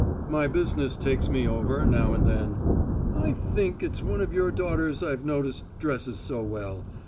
"My business takes me over, now and then. I think it's one of your daughters I've noticed dresses so well.